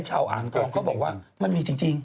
อ่างทองเขาบอกว่ามันมีจริง